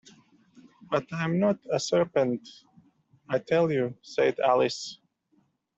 ‘But I’m not a serpent, I tell you!’ said Alice.